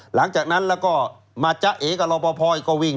หลังจากนั้นมาเจ๊ะเอก่อเลาพอพออีกวิ่ง